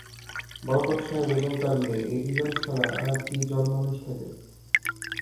বরকত সাহেব এবং তাঁর মেয়ে- এই দু জন ছাড়া আর কী জন মানুষ থাকে?